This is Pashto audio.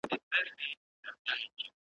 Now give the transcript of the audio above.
تر سالو لاندي ګامونه .